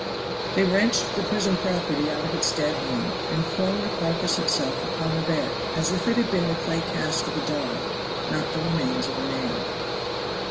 They wrenched the prison property out of its dead hand, and flung the carcass itself upon the bed as if it had been the clay cast of a dog, not the remains of a man.